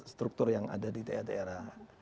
struktur yang ada di daerah daerah